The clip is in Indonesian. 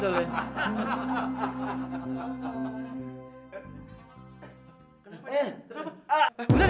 jadi kesel communicate dari jutaan